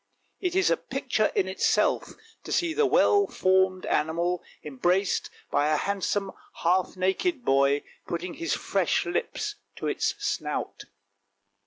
It is a picture in itself to see the well formed animal embraced by a handsome half naked boy putting his fresh lips to its snout.